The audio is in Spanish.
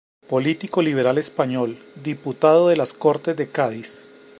Político liberal español, Diputado de las Cortes de Cádiz.